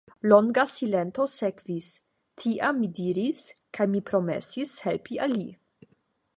Longa silento sekvis, tiam mi diris:Kaj mi promesis helpi al li.